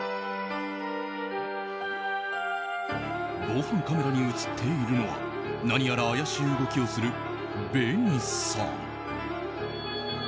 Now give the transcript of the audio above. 防犯カメラに映っているのは何やら怪しい動きをするＢＥＮＩさん。